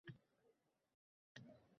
Eslaysizmi, qanday soya-salqin joy edi!